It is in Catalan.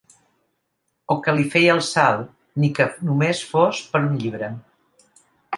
O que li feia el salt, ni que només fos per un llibre.